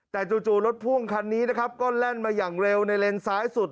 แต่จู่รถพ่วงคันนี้นะครับก็แล่นมาอย่างเร็วในเลนซ้ายสุด